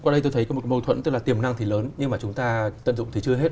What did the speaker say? qua đây tôi thấy có một mâu thuẫn tức là tiềm năng thì lớn nhưng mà chúng ta tận dụng thì chưa hết